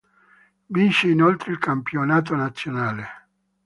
Vince inoltre il campionato nazionale.